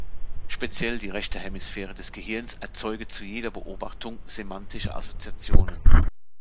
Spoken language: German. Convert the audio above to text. Speziell die rechte Hemisphäre des Gehirns erzeuge zu jeder Beobachtung semantische Assoziationen.